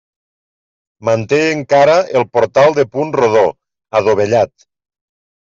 Manté encara el portal de punt rodó, adovellat.